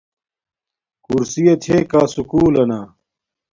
کورسیا چھے کا سکُول لنا